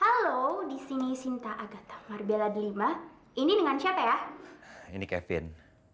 halo di sini sinta agatha marbela delima ini dengan siapa ya ini kevin